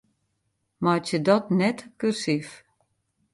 Meitsje dat net kursyf.